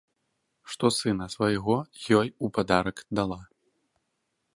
Што сына свайго ёй у падарак дала.